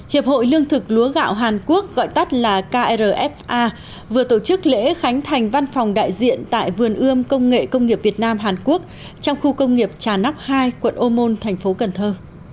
hiệp hội lương thực lúa gạo hàn quốc gọi tắt là krfa vừa tổ chức lễ khánh thành văn phòng đại diện tại vườn ươm công nghệ công nghiệp việt nam hàn quốc trong khu công nghiệp trà nóc hai quận ô môn thành phố cần thơ